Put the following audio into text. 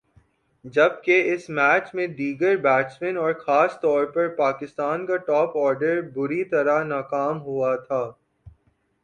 جبکہ اس میچ میں دیگر بیٹسمین اور خاص طور پر پاکستان کا ٹاپ آرڈر بری طرح ناکام ہوا تھا ۔